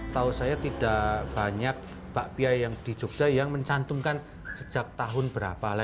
tahu saya tidak banyak bapak pia yang di yogyakarta yang mencantumkan sejak tahun berapa